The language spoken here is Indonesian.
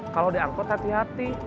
kalau diangkut hati hati